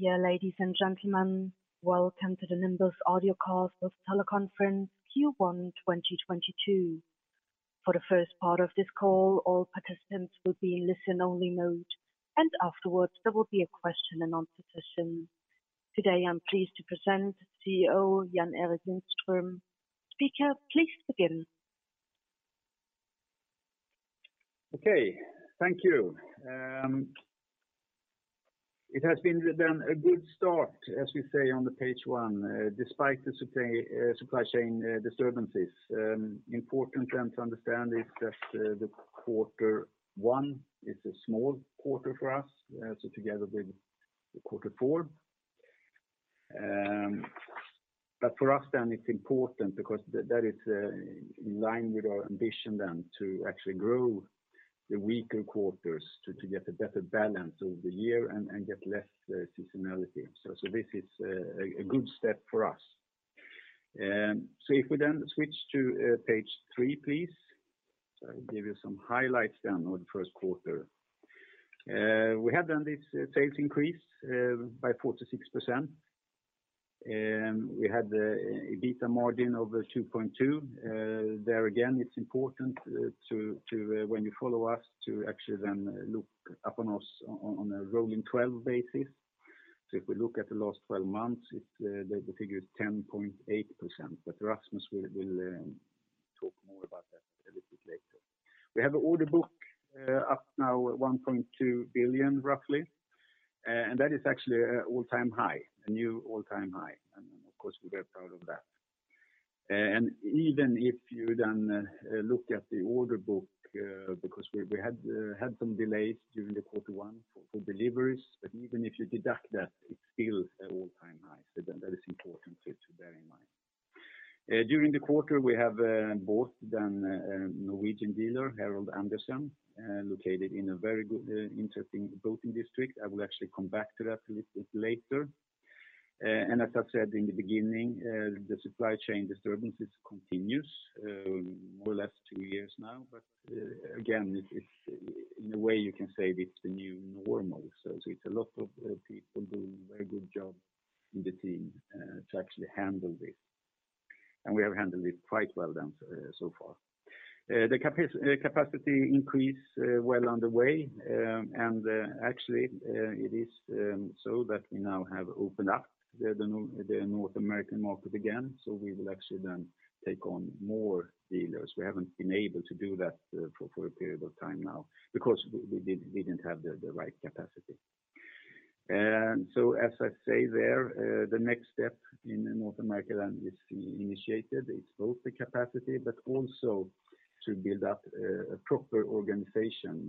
Yeah, ladies and gentlemen, welcome to the Nimbus audiocast teleconference Q1 2022. For the first part of this call, all participants will be in listen-only mode, and afterwards there will be a question and answer session. Today, I'm pleased to present CEO Jan-Erik Lindström. Speaker, please begin. Okay, thank you. It has been a good start, as we say, on page one, despite the supply chain disturbances. Important to understand is that the quarter one is a small quarter for us, so together with the quarter four. For us it's important because that is in line with our ambition to actually grow the weaker quarters to get a better balance over the year and get less seasonality. This is a good step for us. If we switch to page three, please. I'll give you some highlights on the first quarter. We have done this sales increase by 46%. We had the EBITDA margin of 2.2%. There again, it's important to when you follow us to actually then look upon us on a rolling 12 basis. If we look at the last 12 months, the figure is 10.8%, but Rasmus will talk more about that a little bit later. We have order book up now 1.2 billion, roughly. That is actually an all-time high, a new all-time high, and of course we're very proud of that. Even if you then look at the order book, because we had had some delays during the quarter one for deliveries, but even if you deduct that, it's still an all-time high. That is important to bear in mind. During the quarter, we have bought then a Norwegian dealer, Harald Andersen, located in a very good interesting boating district. I will actually come back to that a little bit later. As I've said in the beginning, the supply chain disturbances continues, more or less two years now. Again, it in a way you can say it's the new normal. It's a lot of people doing very good job in the team to actually handle this. We have handled it quite well then so far. The capacity increase well underway. Actually, it is so that we now have opened up the North American market again, so we will actually then take on more dealers. We haven't been able to do that for a period of time now because we didn't have the right capacity. As I say there, the next step in North America then is initiated. It's both the capacity, but also to build up a proper organization.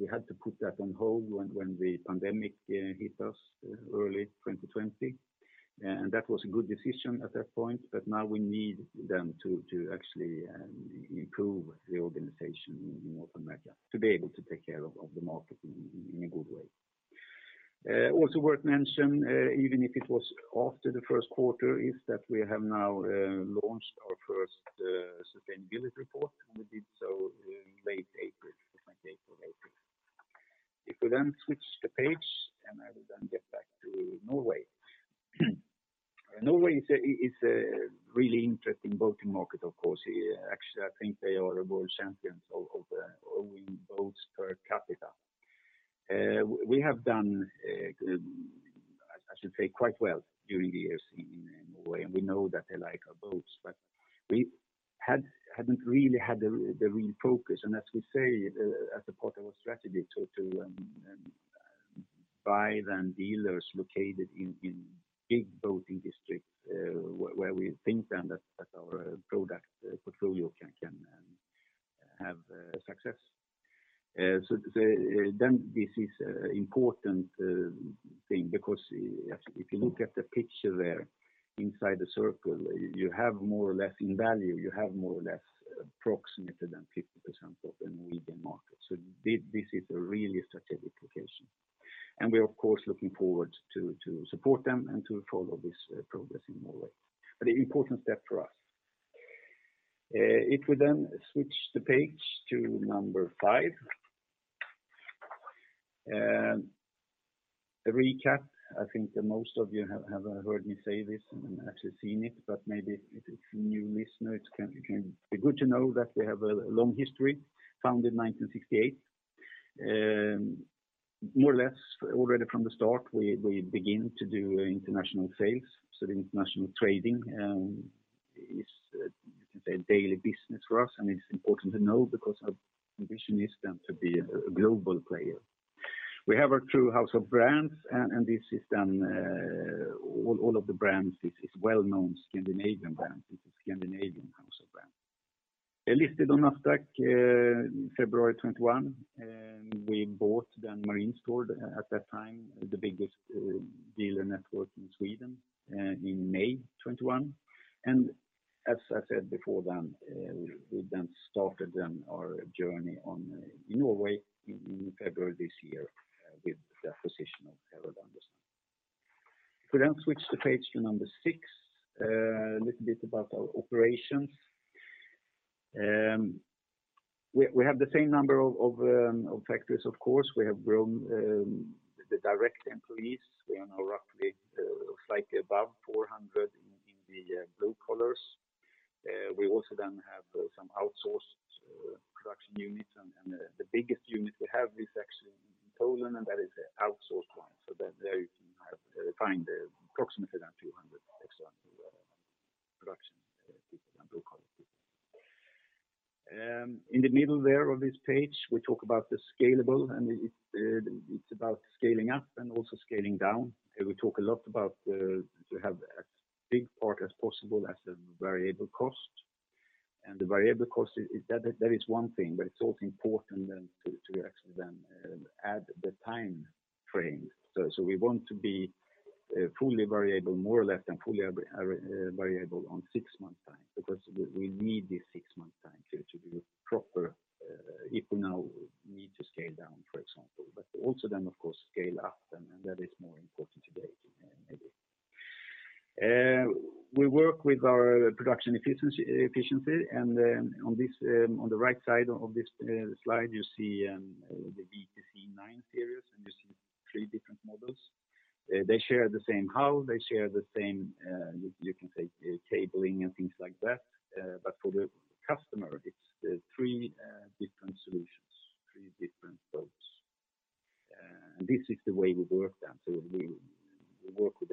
We had to put that on hold when the pandemic hit us early 2020. That was a good decision at that point, but now we need then to actually improve the organization in North America to be able to take care of the market in a good way. Also worth mentioning, even if it was after the first quarter, is that we have now launched our first sustainability report, and we did so late April, the twenty-eighth of April. If we then switch the page, and I will then get back to Norway. Norway is a really interesting boating market of course. Actually, I think they are the world champions of owning boats per capita. We have done quite well during the years in Norway, and we know that they like our boats, but we hadn't really had the real focus. As we say, as a part of our strategy to buying dealers located in big boating districts, where we think then that our product portfolio can have success. This is an important thing because if you look at the picture there inside the circle, you have more or less in value, you have more or less approximately 50% of the Norwegian market. This is a really strategic location, and we're of course looking forward to support them and to follow this progress in Norway. An important step for us. If we switch the page to five. A recap. I think that most of you have heard me say this and actually seen it, but maybe if it's a new listener, it can be good to know that we have a long history, founded in 1968. More or less already from the start, we begin to do international sales. The international trading is you can say daily business for us, and it's important to know because our ambition is then to be a global player. We have a true House of Brands and this is then all of the brands is well known Scandinavian brands. This is Scandinavian House of Brands. Listed on Nasdaq February 2021. We bought then Marine Store at that time, the biggest dealer network in Sweden in May 2021. As I said before then we then started then our journey on in Norway in February this year with the acquisition of Harald Andersen. If we then switch the page to number six, a little bit about our operations. We have the same number of factories, of course. We have grown the direct employees. We are now roughly slightly above 400 in the blue collars. We also then have some outsourced production units, and the biggest unit we have is actually in Poland, and that is an outsourced one. There you can have approximately around 200 external production people and blue collar people. In the middle there of this page, we talk about the scalable, and it's about scaling up and also scaling down. We talk a lot about to have as big part as possible as a variable cost. The variable cost is one thing, but it's also important then to actually then add the time frame. We want to be fully variable, more or less fully variable on six-month time, because we need this six-month time to be proper if we now need to scale down, for example. Also then, of course, scale up, and that is more important today, maybe. We work with our production efficiency, and on the right side of this slide, you see the WTC 9 series, and you see three different models. They share the same hull, they share the same cabling and things like that. But for the customer, it's three different solutions, three different boats. This is the way we work then. We work with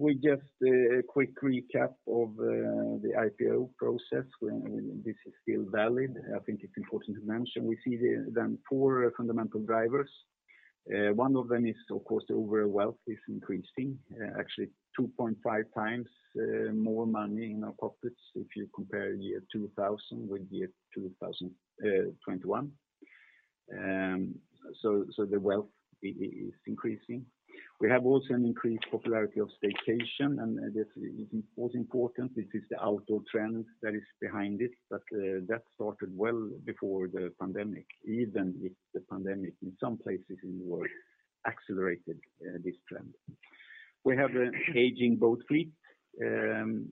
what you call a technical platform. This is one technical platform, but we can work with it in a lot of different segments. If we just quick recap of the IPO process, this is still valid. I think it's important to mention we see the four fundamental drivers. One of them is, of course, the overall wealth is increasing, actually 2.5 times, more money in our pockets if you compare year 2000 with year 2021. The wealth is increasing. We have also an increased popularity of staycation, and this is important. This is the outdoor trend that is behind it, but that started well before the pandemic, even if the pandemic in some places in the world accelerated this trend. We have an aging boat fleet. You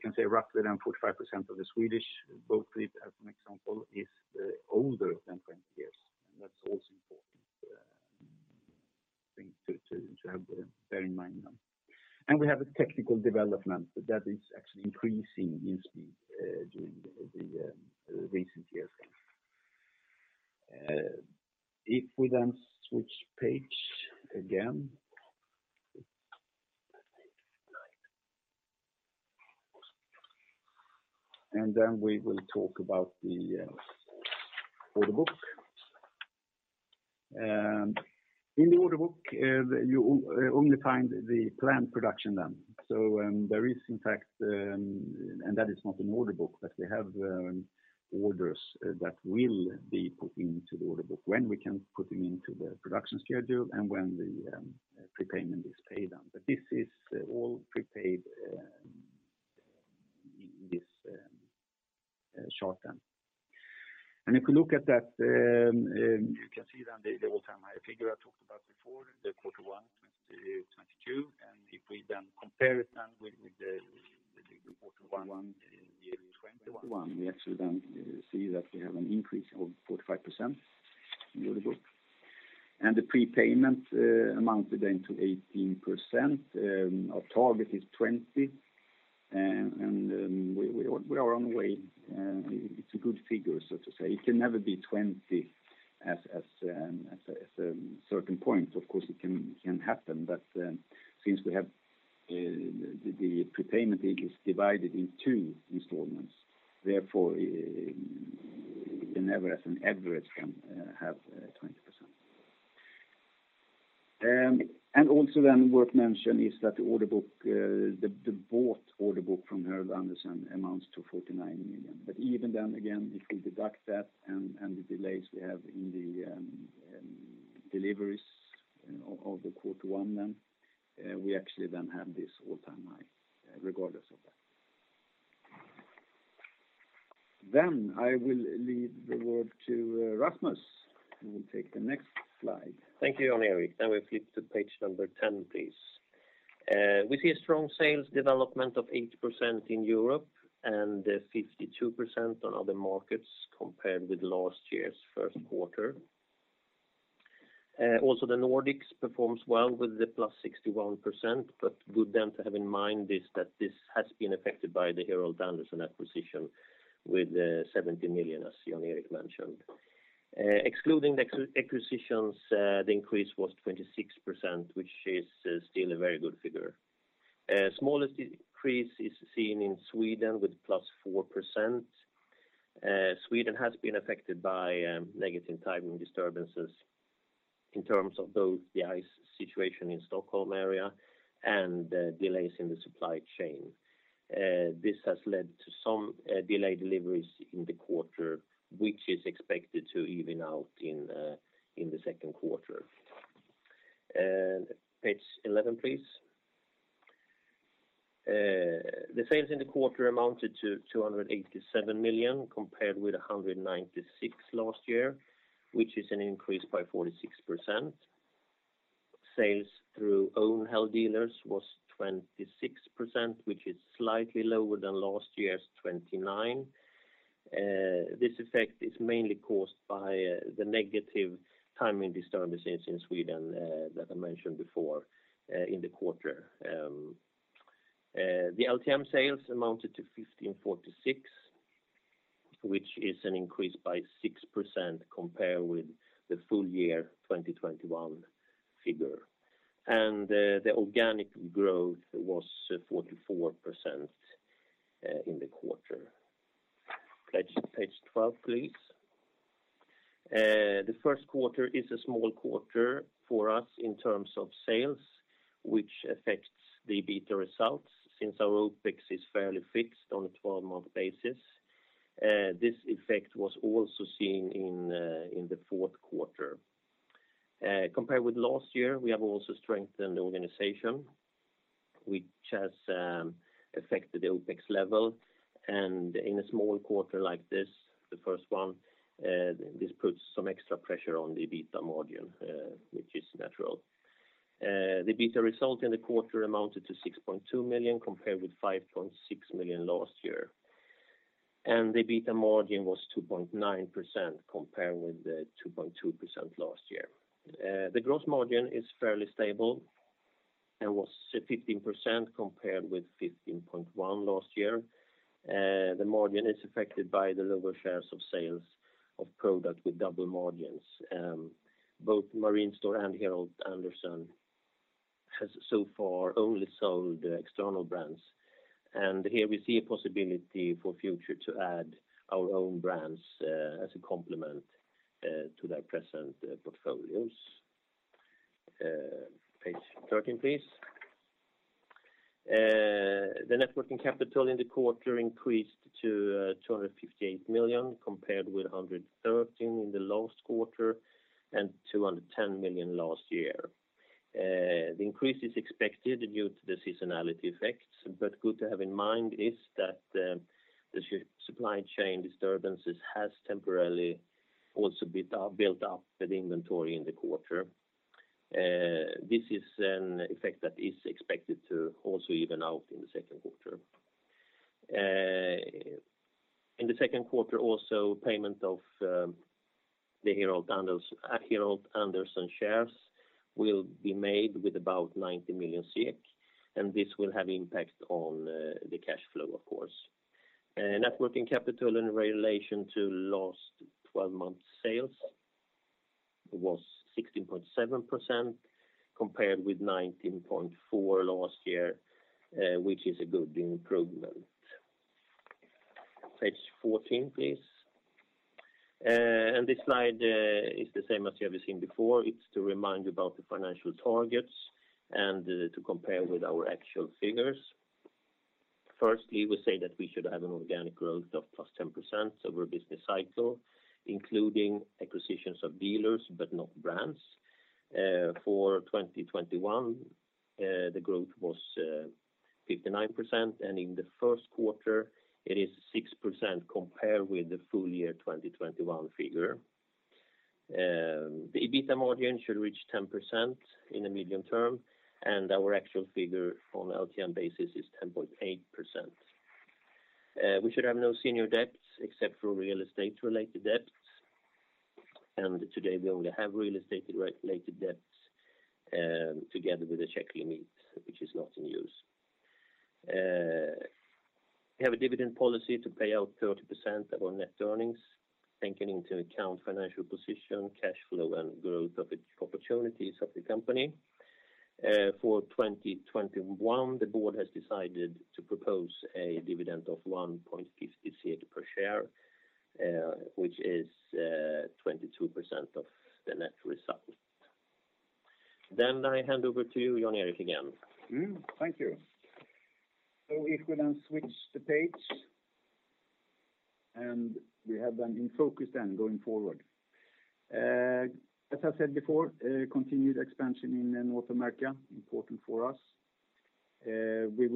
can say roughly around 45% of the Swedish boat fleet, as an example, is older than 20 years. That's also important thing to have bear in mind now. We have a technical development that is actually increasing in speed during the recent years. If we switch page again. We will talk about the order book. In the order book, you only find the planned production. There is in fact. That is not an order book, but we have orders that will be put into the order book when we can put them into the production schedule and when the prepayment is paid on. This is all prepaid in this short term. If you look at that, you can see then the all-time high figure I talked about before, the quarter one 2022. If we then compare it then with the quarter one in year 2021, we actually see that we have an increase of 45% in the order book. The prepayment amounted then to 18%. Our target is 20. We are on the way. It's a good figure, so to say. It can never be 20 as a certain point. Of course, it can happen. Since we have the prepayment is divided in two installments, therefore we can never as an average have 20%. Worth mention is that the order book, the boat order book from Harald Andersen amounts to 49 million. Even then, again, if we deduct that and the delays we have in the deliveries of the quarter one, we actually have this all-time high regardless of that. I will leave the word to Rasmus, who will take the next slide. Thank you, Jan-Erik. Now we flip to page number 10, please. We see a strong sales development of 80% in Europe and 52% on other markets compared with last year's first quarter. Also the Nordics performs well with the +61%, but good then to have in mind is that this has been affected by the Harald Andersen acquisition with 70 million, as Jan-Erik mentioned. Excluding the acquisitions, the increase was 26%, which is still a very good figure. Smallest increase is seen in Sweden with +4%. Sweden has been affected by negative timing disturbances in terms of both the ice situation in Stockholm area and the delays in the supply chain. This has led to some delayed deliveries in the quarter, which is expected to even out in the second quarter. Page 11, please. The sales in the quarter amounted to 287 million, compared with 196 million last year, which is an increase by 46%. Sales through own held dealers was 26%, which is slightly lower than last year's 29%. This effect is mainly caused by the negative timing disturbances in Sweden that I mentioned before in the quarter. The LTM sales amounted to 1,546 million, which is an increase by 6% compared with the full year 2021 figure. The organic growth was 44% in the quarter. Page 12, please. The first quarter is a small quarter for us in terms of sales, which affects the EBITDA results since our OPEX is fairly fixed on a 12-month basis. This effect was also seen in the fourth quarter. Compared with last year, we have also strengthened the organization, which has affected the OPEX level. In a small quarter like this, the first one, this puts some extra pressure on the EBITDA margin, which is natural. The EBITDA result in the quarter amounted to 6.2 million compared with 5.6 million last year. The EBITDA margin was 2.9% compared with the 2.2% last year. The gross margin is fairly stable and was 15% compared with 15.1% last year. The margin is affected by the lower shares of sales of product with double margins. Both Marine Store and Harald Andersen have so far only sold external brands. Here we see a possibility for future to add our own brands as a complement to their present portfolios. Page 13, please. The net working capital in the quarter increased to 258 million compared with 113 million in the last quarter and 210 million last year. The increase is expected due to the seasonality effects, but good to have in mind is that the supply chain disturbances has temporarily also built up the inventory in the quarter. This is an effect that is expected to also even out in the second quarter. In the second quarter also, payment of the Harald Andersen shares will be made with about 90 million, and this will have impact on the cash flow, of course. Net working capital in relation to last twelve months sales was 16.7% compared with 19.4% last year, which is a good improvement. Page 14, please. This slide is the same as you have seen before. It's to remind you about the financial targets and to compare with our actual figures. Firstly, we say that we should have an organic growth of +10% over business cycle, including acquisitions of dealers but not brands. For 2021, the growth was 59%, and in the first quarter it is 6% compared with the full year 2021 figure. The EBITDA margin should reach 10% in the medium term, and our actual figure on LTM basis is 10.8%. We should have no senior debts except for real estate-related debts. Today we only have real estate-related debts, together with the check limit, which is not in use. We have a dividend policy to pay out 30% of our net earnings, taking into account financial position, cash flow, and growth opportunities of the company. For 2021, the board has decided to propose a dividend of 1.50 per share, which is 22% of the net result. I hand over to you, Jan-Erik, again. Thank you. If we then switch the page, and we have then in focus then going forward. As I said before, continued expansion in North America, important for us. We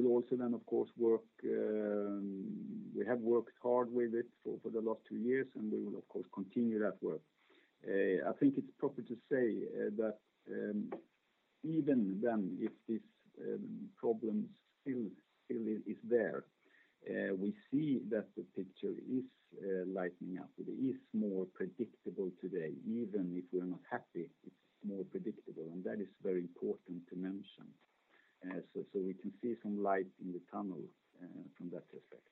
have worked hard with it for the last two years, and we will of course continue that work. I think it's proper to say that even then, if this problem still is there, we see that the picture is brightening up. It is more predictable today. Even if we are not happy, it's more predictable, and that is very important to mention. So we can see some light in the tunnel in that respect.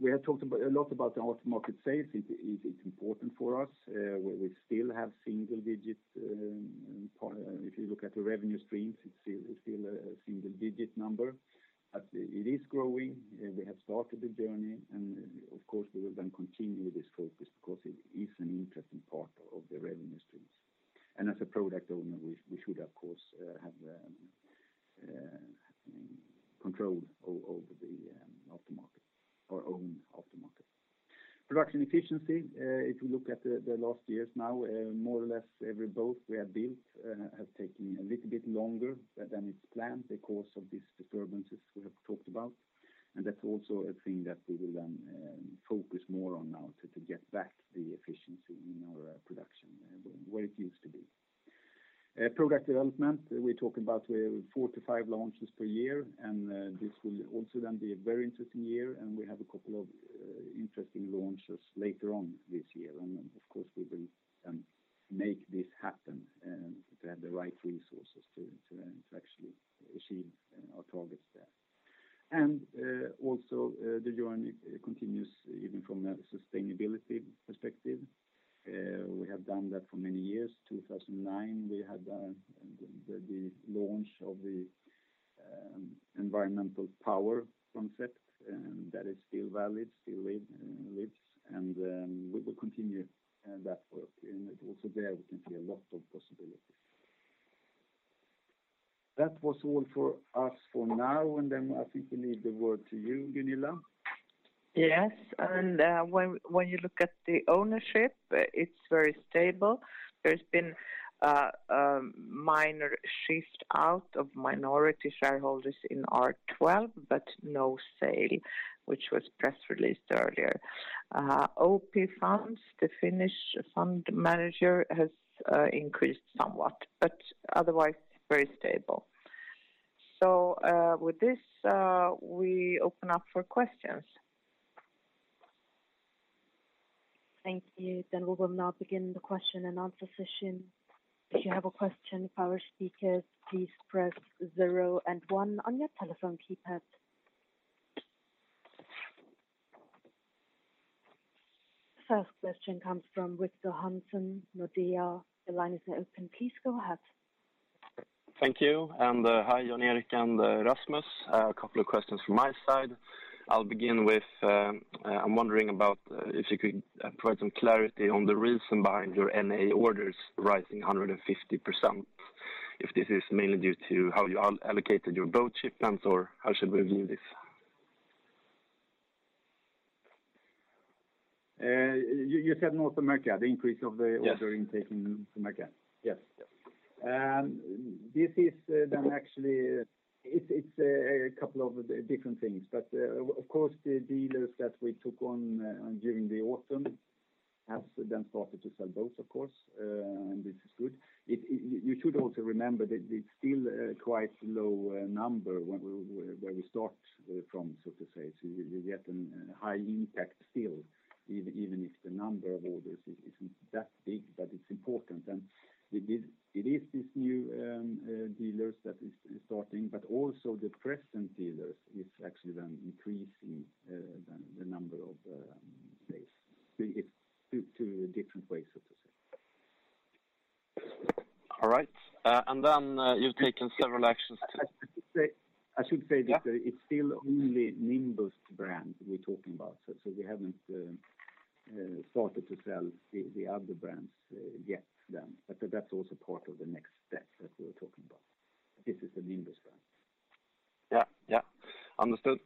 We have talked a lot about the after-market sales. It's important for us. We still have single digit, if you look at the revenue streams, it's still a single digit number. It is growing, we have started the journey, and of course, we will then continue this focus because it is an interesting part of the revenue streams. As a product owner, we should of course have control over our own aftermarket. Production efficiency, if you look at the last years now, more or less every boat we have built have taken a little bit longer than it's planned because of these disturbances we have talked about. That's also a thing that we will then focus more on now to get back the efficiency in our production, where it used to be. Product development, we talk about four to five launches per year, and this will also then be a very interesting year, and we have a couple of interesting launches later on this year. Of course, we will make this happen and to have the right resources to actually achieve our targets there. Also, the journey continues even from a sustainability perspective. We have done that for many years. 2009, we had the launch of the E-Power Concept, and that is still valid, still lives, and we will continue that work. Also there, we can see a lot of possibilities. That was all for us for now, and then I think we leave the word to you, Gunilla. Yes. When you look at the ownership, it's very stable. There's been a minor shift out of minority shareholders in R12, but no sale, which was press released earlier. OP Funds, the Finnish fund manager, has increased somewhat, but otherwise very stable. With this, we open up for questions. Thank you. We will now begin the question and answer session. If you have a question for our speakers, please press zero and one on your telephone keypad. First question comes from Victor Hansen, Nordea. The line is now open. Please go ahead. Thank you. Hi, Jan-Erik Lindström and Rasmus. A couple of questions from my side. I'll begin with, I'm wondering about, if you could provide some clarity on the reason behind your NA orders rising 150%, if this is mainly due to how you allocated your boat shipments, or how should we view this? You said North America, the increase of the Yes. Order intake in North America? Yes. Yes. This is then actually it's a couple of different things. Of course, the dealers that we took on during the autumn have then started to sell boats, of course, and this is good. You should also remember that it's still quite low number where we start from, so to say. You get an high impact still, even if the number of orders isn't that big, but it's important. It is this new dealers that is starting, but also the present dealers is actually then increasing then the number of sales. It's two different ways, so to say. All right. You've taken several actions to- I should say that. Yeah. It's still only Nimbus brand we're talking about. We haven't started to sell the other brands yet then. That's also part of the next steps that we were talking about. This is the Nimbus brand. Yeah. Understood.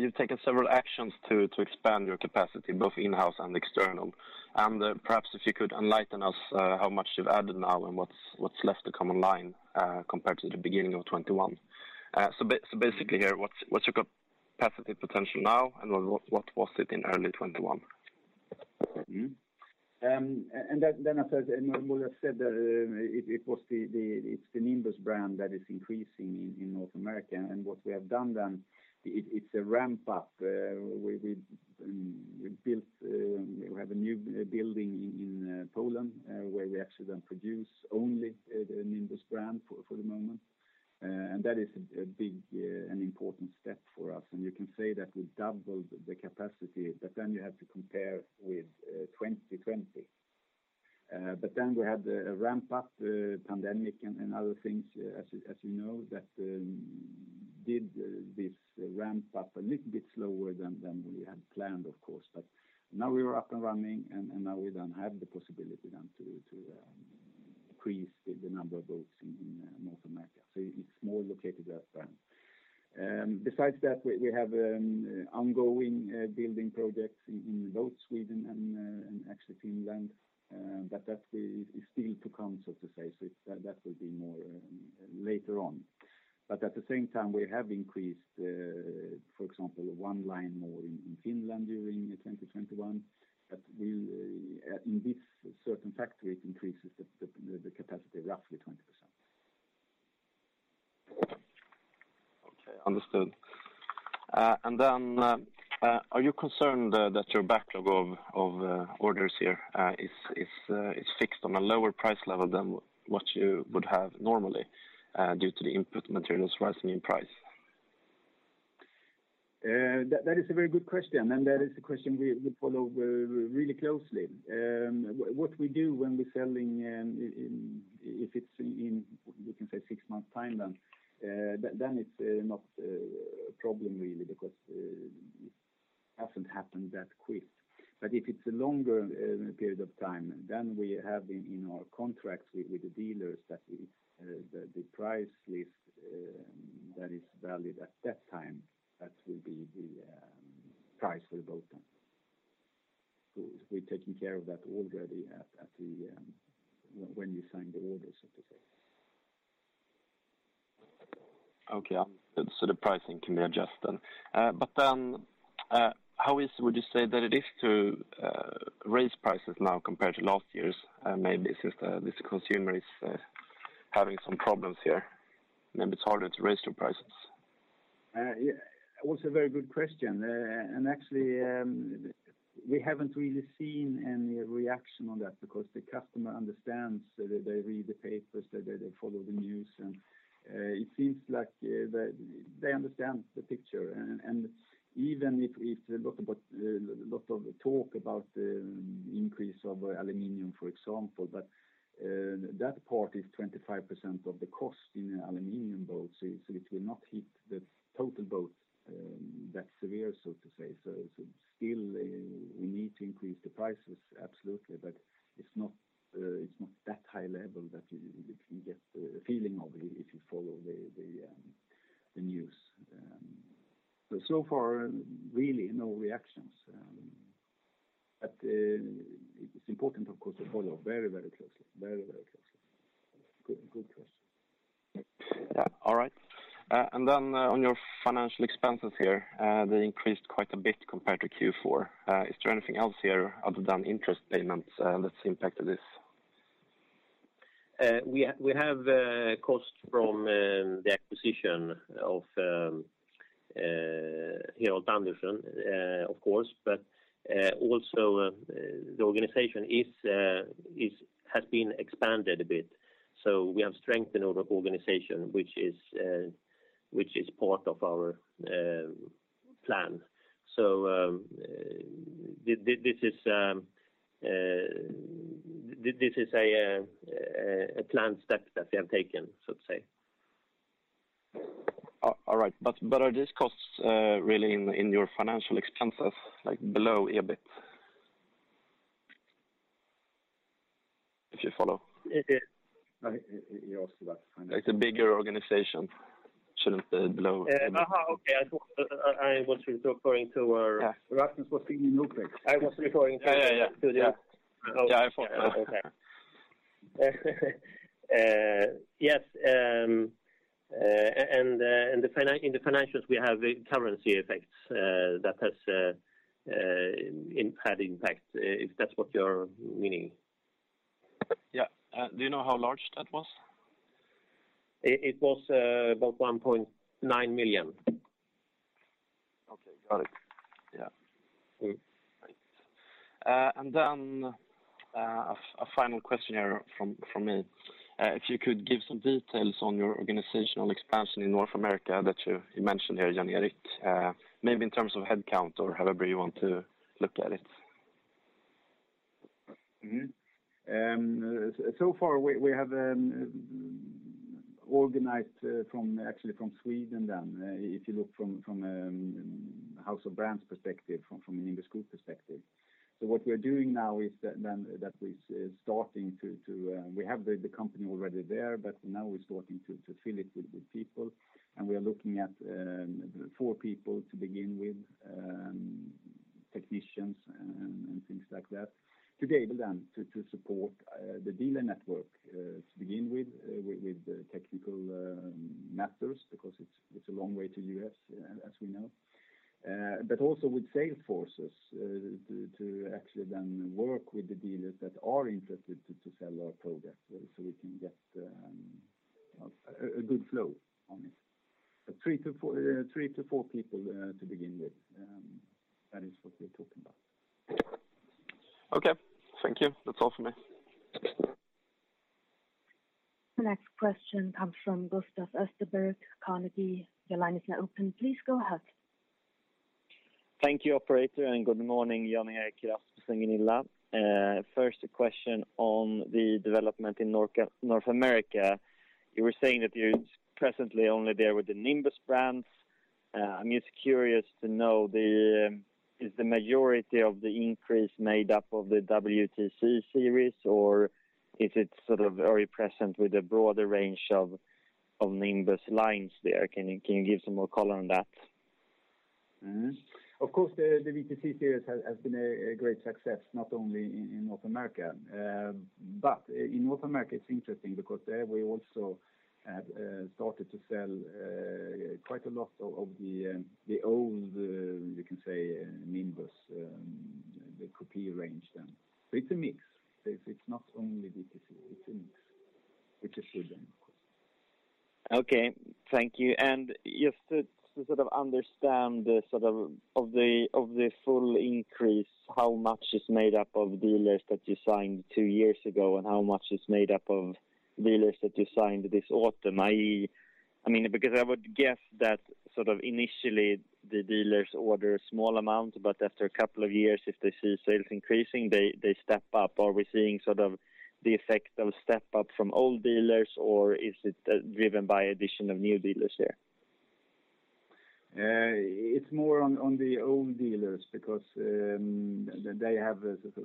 You've taken several actions to expand your capacity, both in-house and external. Perhaps if you could enlighten us, how much you've added now and what's left to come online, compared to the beginning of 2021. Basically here, what's your capacity potential now, and what was it in early 2021? As I said, and Rasmus Alvemyr said that, it's the Nimbus brand that is increasing in North America. What we have done, it's a ramp up. We have a new building in Poland, where we actually then produce only the Nimbus brand for the moment. That is a big and important step for us. You can say that we doubled the capacity, but then you have to compare with 2020. We had a ramp up, pandemic and other things, as you know, that did this ramp up a little bit slower than we had planned, of course. Now we are up and running, and now we then have the possibility then to increase the number of boats in North America. It's more located there than. Besides that, we have ongoing building projects in both Sweden and actually Finland, but that is still to come, so to say. That will be more later on. At the same time, we have increased, for example, one line more in Finland during 2021. We'll in this certain factory. It increases the capacity roughly 20%. Okay. Understood. Are you concerned that your backlog of orders here is fixed on a lower price level than what you would have normally due to the input materials rising in price? That is a very good question, and that is a question we follow really closely. What we do when we're selling, if it's in we can say six months timeline, then it's not a problem really because doesn't happen that quick. If it's a longer period of time, then we have in our contracts with the dealers that the price list that is valid at that time that will be the price for the boat then. We're taking care of that already at the when you sign the order, so to say. Okay. The pricing can be adjusted. How easy would you say that it is to raise prices now compared to last year's? Maybe since this consumer is having some problems here, maybe it's harder to raise your prices. Yeah. Also a very good question. Actually, we haven't really seen any reaction on that because the customer understands. They read the papers. They follow the news. It seems like they understand the picture. Even if it's a lot of talk about the increase of aluminum, for example, that part is 25% of the cost in an aluminum boat, so it will not hit the total boat that severe, so to say. Still, we need to increase the prices, absolutely, but it's not that high level that you get the feeling of if you follow the news. So far, really no reactions. It's important, of course, to follow very, very closely. Very, very closely. Good, good question. Yeah. All right. On your financial expenses here, they increased quite a bit compared to Q4. Is there anything else here other than interest payments, that's impacted this? We have costs from the acquisition of Harald Andersen, of course, but also the organization has been expanded a bit. We have strengthened our organization, which is part of our plan. This is a planned step that we have taken, so to say. All right. Are these costs really in your financial expenses, like below EBIT? If you follow. It, it- You ask about finance. Like the bigger organization shouldn't be below. Aha, okay. I thought I was referring to our- Rasmus was thinking notebooks. I was referring to. Yeah, yeah. -to the... Yeah, I follow. Okay. Yes, in the financials, we have currency effects that has had impact, if that's what you're meaning. Yeah. Do you know how large that was? It was about 1.9 million. Okay. Got it. Yeah. Thanks. A final question here from me. If you could give some details on your organizational expansion in North America that you mentioned here, Jan-Erik, maybe in terms of head count or however you want to look at it. So far, we have organized, actually from Sweden then, if you look from House of Brands perspective, from a Nimbus Group perspective. What we're doing now is that we are starting to, we have the company already there, but now we're starting to fill it with people. We are looking at four people to begin with, technicians and things like that, to be able then to support the dealer network to begin with technical matters, because it's a long way to U.S., as we know. But also with sales forces, to actually then work with the dealers that are interested to sell our products so we can get a good flow on it. Three to four people to begin with, that is what we're talking about. Okay. Thank you. That's all for me. The next question comes from Gustav Österberg, Carnegie. Your line is now open. Please go ahead. Thank you, operator, and good morning, Jan-Erik, Rasmus, and Gunilla. First a question on the development in North America. You were saying that you're presently only there with the Nimbus brands. I'm just curious to know, is the majority of the increase made up of the WTC series, or is it sort of very present with a broader range of Nimbus lines there? Can you give some more color on that? Of course, the WTC series has been a great success, not only in North America. In North America, it's interesting because there we also have started to sell quite a lot of the old you can say Nimbus the Coupé range then. It's a mix. It's not only WTC, it's a mix, which is good then, of course. Okay. Thank you. Just to sort of understand the full increase, how much is made up of dealers that you signed two years ago, and how much is made up of dealers that you signed this autumn? I mean, because I would guess that sort of initially the dealers order a small amount, but after a couple of years, if they see sales increasing, they step up. Are we seeing sort of the effect of step up from old dealers, or is it driven by addition of new dealers there? It's more on the old dealers because they have,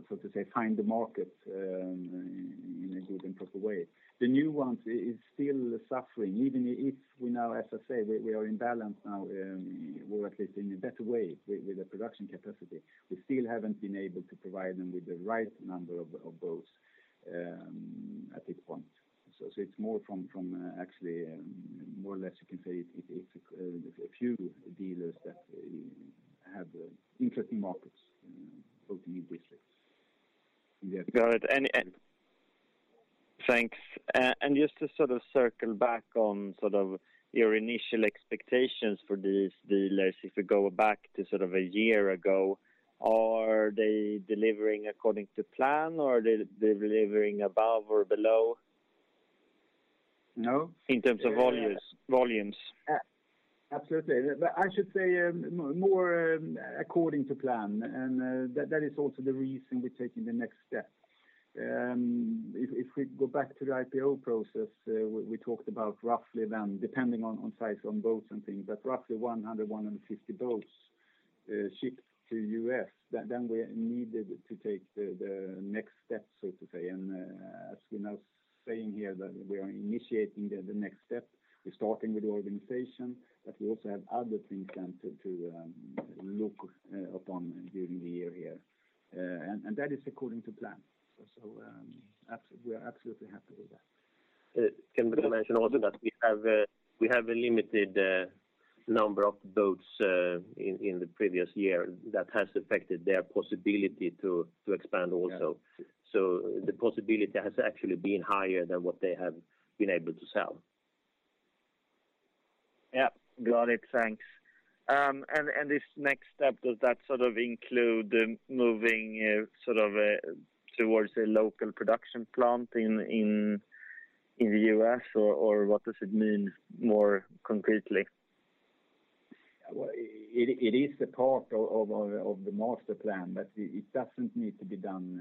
so to say, find the market in a good and proper way. The new ones is still suffering, even if we now, as I say, we are in balance now, or at least in a better way with the production capacity. We still haven't been able to provide them with the right number of boats at this point. It's more from, actually, more or less you can say it's a few dealers that have interesting markets, both in districts. Got it. Thanks. Just to sort of circle back on sort of your initial expectations for these dealers, if we go back to sort of a year ago, are they delivering according to plan or are they delivering above or below? No. In terms of volumes. Absolutely. I should say more according to plan. That is also the reason we're taking the next step. If we go back to the IPO process, we talked about roughly then, depending on size, on boats and things, but roughly 150 boats shipped to U.S., then we needed to take the next step, so to say. As we're now saying here that we are initiating the next step. We're starting with the organization, but we also have other things then to look upon during the year here. That is according to plan. We are absolutely happy with that. Can I mention also that we have a limited number of boats in the previous year that has affected their possibility to expand also. Yeah. The possibility has actually been higher than what they have been able to sell. Yeah. Got it. Thanks. This next step, does that sort of include the moving, sort of, towards a local production plant in the US or what does it mean more concretely? Well, it is a part of the master plan, but it doesn't need to be done.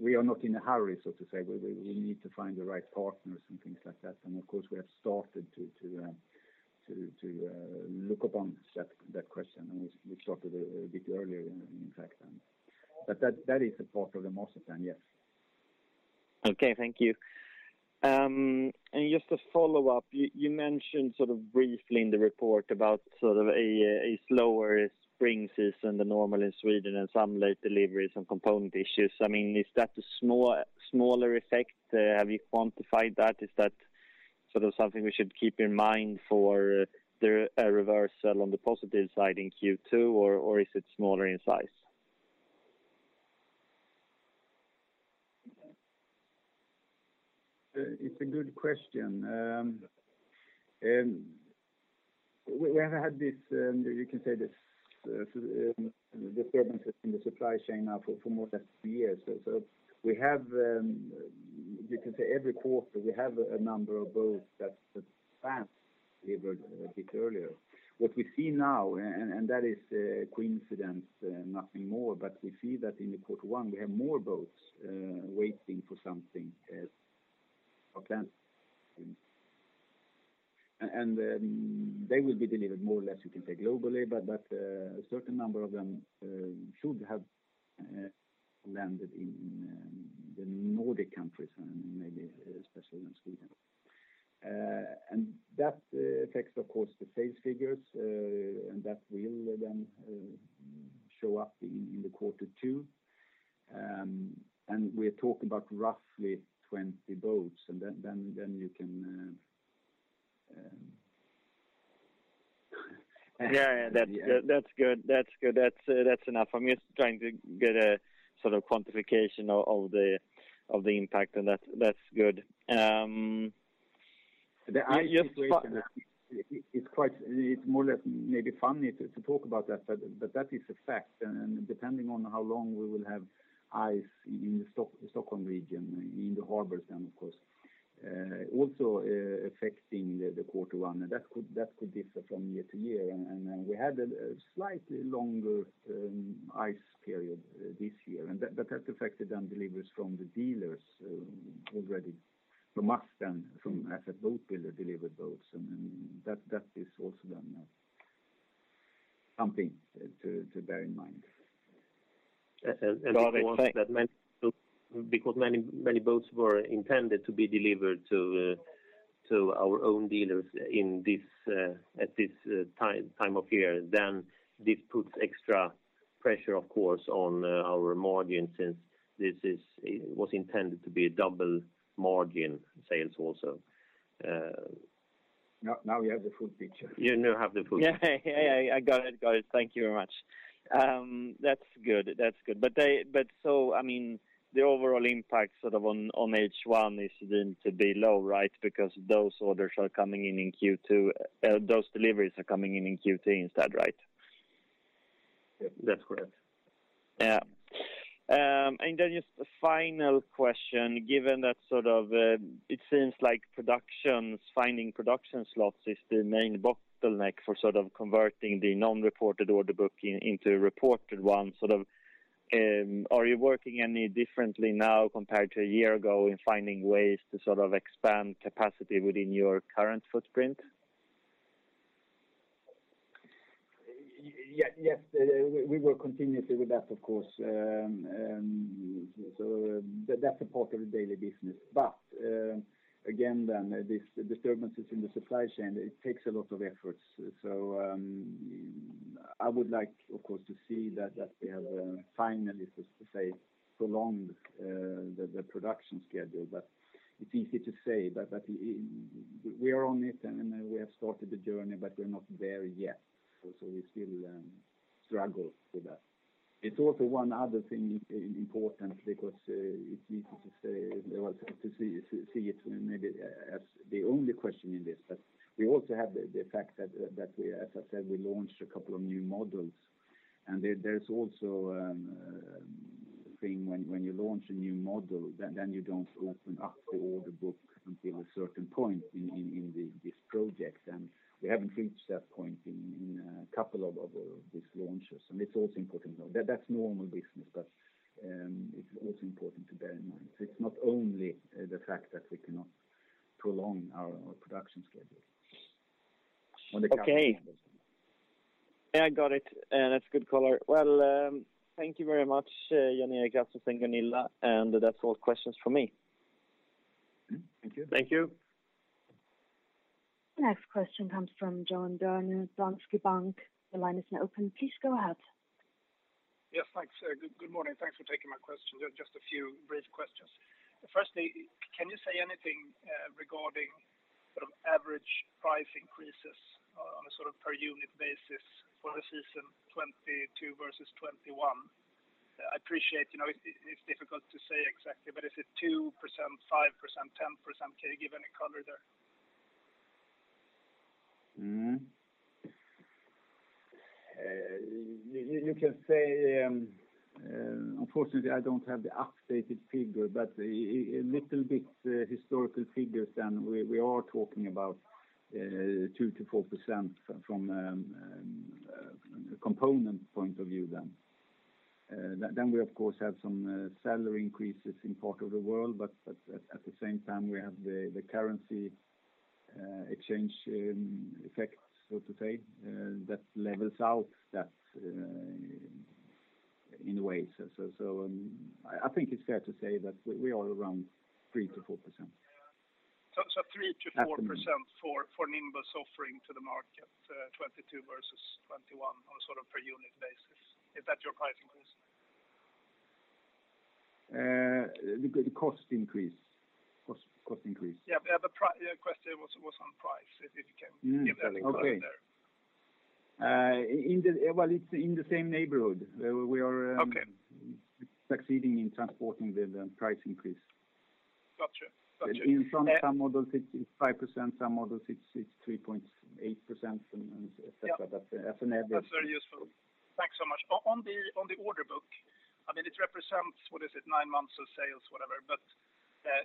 We are not in a hurry, so to say. We need to find the right partners and things like that. Of course, we have started to look upon that question. We started a bit earlier in fact than. That is a part of the master plan, yes. Okay. Thank you. Just to follow up, you mentioned sort of briefly in the report about sort of a slower spring season than normal in Sweden and some late deliveries and component issues. I mean, is that a smaller effect? Have you quantified that? Is that sort of something we should keep in mind for the reversal on the positive side in Q2, or is it smaller in size? It's a good question. We have had this, you can say this, disturbances in the supply chain now for more than two years. We have, you can say every quarter, a number of boats that were planned to be delivered a bit earlier. What we see now, and that is a coincidence, nothing more, but we see that in quarter one, we have more boats waiting for something as planned. They will be delivered more or less, you can say, globally, but a certain number of them should have landed in the Nordic countries and maybe especially in Sweden. That affects of course the sales figures, and that will then show up in quarter two. We're talking about roughly 20 boats. Then you can Yeah. That's good. That's enough. I'm just trying to get a sort of quantification of the impact and that's good. The ice situation is quite. It's more or less maybe funny to talk about that, but that is a fact. Depending on how long we will have ice in the Stockholm region, in the harbors then of course also affecting the quarter one. That could differ from year to year. We had a slightly longer ice period this year, and that has affected then deliveries from the dealers already from us rather than from us as a boat builder delivered boats. That is also then something to bear in mind. Got it. Thanks. Also that many boats were intended to be delivered to our own dealers at this time of year, then this puts extra pressure of course on our margin since this is, it was intended to be a double margin sales also. Now you have the full picture. You now have the full picture. Yeah. I got it. Got it. Thank you very much. That's good. I mean, the overall impact sort of on H1 is then to be low, right? Because those orders are coming in Q2, those deliveries are coming in Q3 instead, right? Yep. That's correct. Yeah. Just a final question, given that sort of, it seems like production, finding production slots is the main bottleneck for sort of converting the non-reported order book into a reported one, sort of. Are you working any differently now compared to a year ago in finding ways to sort of expand capacity within your current footprint? Yes, we work continuously with that, of course. That's a part of the daily business. Again, these disturbances in the supply chain take a lot of efforts. I would like, of course, to see that we have finally, so to say, prolonged the production schedule. It's easy to say, but we are on it and we have started the journey, but we're not there yet. We still struggle with that. It's also one other thing important because it's easy to say or to see it maybe as the only question in this. We also have the fact that, as I said, we launched a couple of new models. There, there's also a thing when you launch a new model, then you don't open up the order book until a certain point in this project, and we haven't reached that point in a couple of these launches. It's also important, though. That's normal business, but it's also important to bear in mind. It's not only the fact that we cannot prolong our production schedule on the current models. Okay. Yeah, I got it, and that's a good color. Well, thank you very much, Jan-Erik, Rasmus and Gunilla. That's all questions for me. Thank you. Thank you. Next question comes from Johan Dyrstad from Danske Bank. The line is now open. Please go ahead. Yes, thanks. Good morning. Thanks for taking my questions. Just a few brief questions. Firstly, can you say anything regarding sort of average price increases on a sort of per unit basis for the season 2022 versus 2021? I appreciate, you know, it's difficult to say exactly, but is it 2%, 5%, 10%? Can you give any color there? You can say, unfortunately, I don't have the updated figure, but a little bit historical figures then we are talking about 2%-4% from a component point of view then. Then we of course have some salary increases in part of the world, but at the same time, we have the currency exchange effect, so to say, that levels out that in a way. I think it's fair to say that we are around 3%-4%. Yeah. So, so three to four percent- At the mo- For Nimbus offering to the market, 2022 versus 2021 on a sort of per unit basis. Is that your price increase? The cost increase. The question was on price, if you can give any color there. Okay. Well, it's in the same neighborhood. We are Okay Succeeding in transporting the price increase. Got you. In some models, it's 5%, some models it's 3.8%, and et cetera. But as an average That's very useful. Thanks so much. On the order book, I mean, it represents, what is it, nine months of sales, whatever.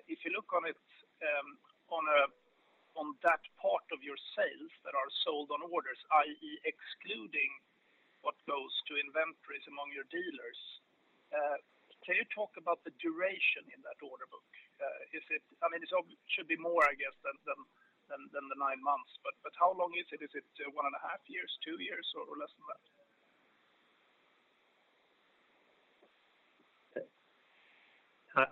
If you look on it, on that part of your sales that are sold on orders, i.e., excluding what goes to inventories among your dealers, can you talk about the duration in that order book? Is it, I mean, it should be more, I guess, than the nine months. How long is it? Is it one and a half years, two years, or less than that?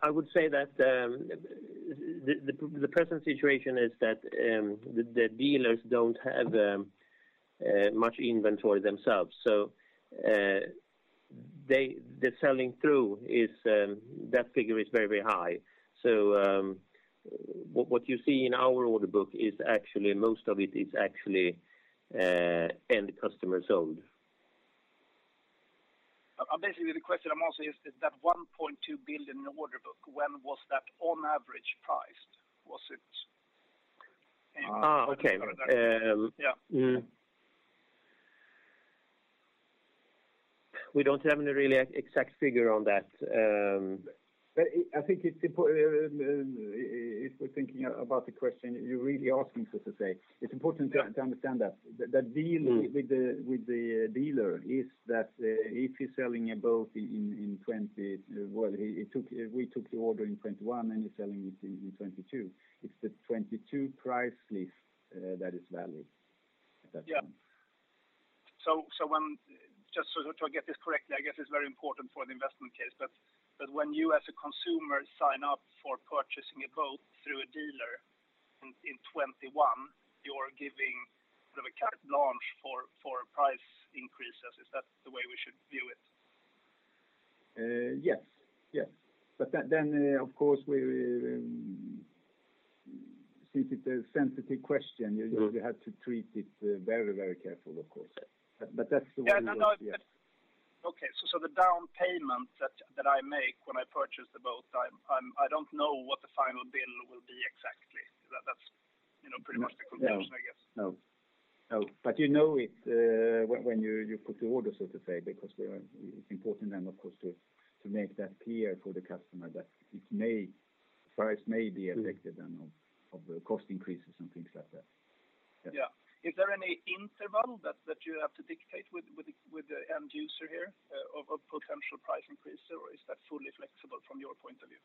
I would say that the present situation is that the dealers don't have much inventory themselves. So, the selling through is that figure is very high. So, what you see in our order book is actually most of it is actually end customer sold. Basically, the question I'm asking is that 1.2 billion in the order book, when was that on average priced? Was it in- Okay. Yeah. We don't have any really exact figure on that. If we're thinking about the question you're really asking, so to say, it's important to understand that. The deal with the dealer is that, if he's selling a boat in 2020. Well, we took the order in 2021, and he's selling it in 2022. It's the 2022 price list that is valid at that time. When just so to get this correctly, I guess it's very important for the investment case. When you as a consumer sign up for purchasing a boat through a dealer in 2021, you're giving sort of a carte blanche for price increases. Is that the way we should view it? Yes. Yes. Of course, we, since it's a sensitive question, you have to treat it very, very careful, of course. That's the way we look at it. Yeah, no. Okay. The down payment that I make when I purchase the boat, I don't know what the final bill will be exactly. That's, you know, pretty much the conclusion, I guess. No. You know it when you put the order, so to say, because it's important then, of course, to make that clear for the customer that price may be affected then of the cost increases and things like that. Yeah. Is there any interval that you have to dictate with the end user here of potential price increase, or is that fully flexible from your point of view?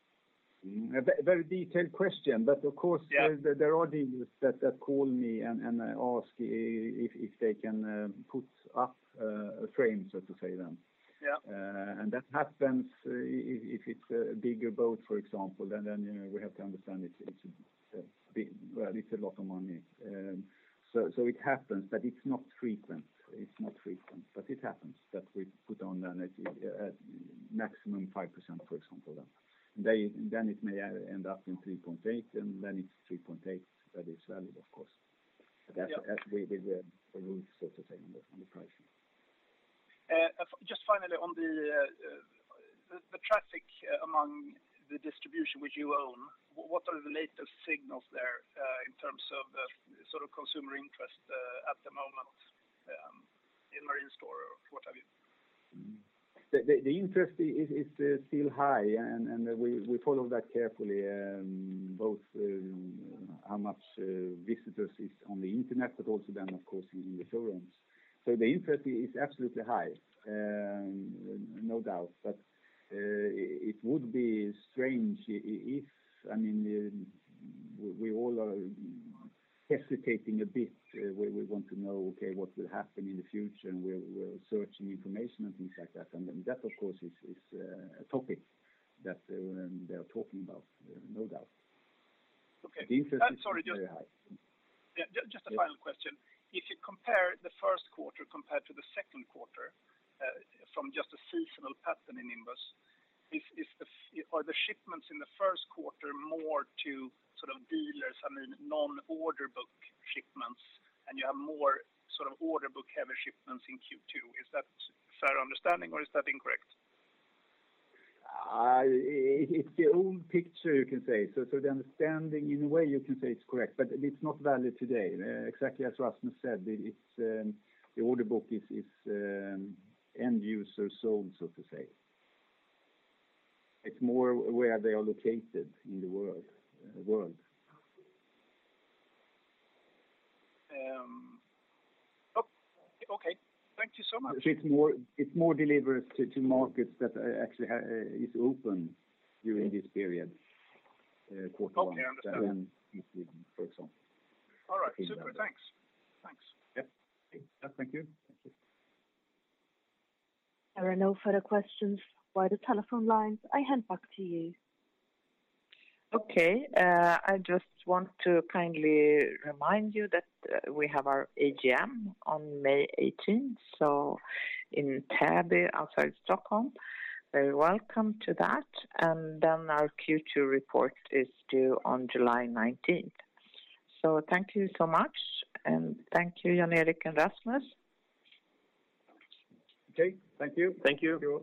A very detailed question, but of course. Yeah There are dealers that call me and ask if they can put up a frame, so to say then. Yeah. That happens if it's a bigger boat, for example, then you know, we have to understand it's a lot of money. It happens, but it's not frequent. It happens that we put on a maximum 5%, for example. It may end up in 3.8%, and then it's 3.8% that is valid, of course. Yeah. That's with the rules, so to say, on the pricing. Just finally on the traffic among the distributors which you own, what are the latest signals there in terms of the sort of consumer interest at the moment in Marine Store or what have you? The interest is still high, and we follow that carefully, both how much visitors is on the internet, but also then of course in the showrooms. The interest is absolutely high, no doubt. It would be strange if, I mean, we all are hesitating a bit where we want to know, okay, what will happen in the future, and we're searching information and things like that. That, of course, is a topic that they are talking about, no doubt. Okay. The interest is very high. Yeah. Just a final question. If you compare the first quarter compared to the second quarter, from just a seasonal pattern in Nimbus, are the shipments in the first quarter more to sort of dealers, I mean, non-order book shipments, and you have more sort of order book heavy shipments in Q2? Is that fair understanding or is that incorrect? It's the old picture, you can say. The understanding in a way you can say it's correct, but it's not valid today. Exactly as Rasmus said, it's the order book is end user sold, so to say. It's more where they are located in the world. Okay. Thank you so much. It's more delivered to markets that actually is open during this period, quarter one. Okay. Understand. For example. All right. Super. Thanks. Yep. Thank you. There are no further questions via the telephone lines. I hand back to you. Okay. I just want to kindly remind you that we have our AGM on May 18th, so in Täby outside Stockholm. Very welcome to that. Our Q2 report is due on July 19th. Thank you so much, and thank you, Jan-Erik and Rasmus. Okay. Thank you. Thank you.